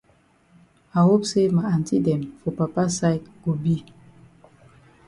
I hope say ma aunty dem for papa side go be.